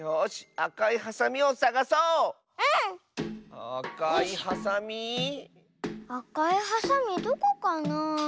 あかいハサミどこかなあ。